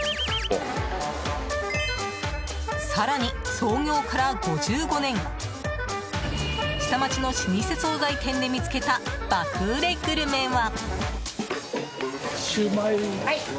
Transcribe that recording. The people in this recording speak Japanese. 更に創業から５５年下町の老舗総菜店で見つけた爆売れグルメは。